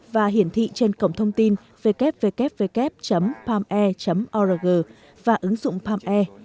và hiển thị trên cổng thông tin www palme org và ứng dụng palm air